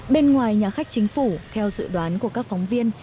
bên ngoài nhà khách chính phủ theo dự đoán của các phóng viên